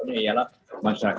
kemuliaan yang terkenaik